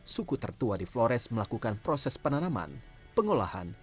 suku tertua di flores melakukan proses penanaman pengolahan